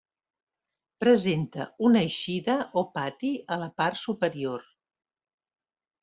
Presenta una eixida o pati a la part superior.